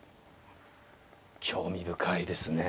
興味深いですね。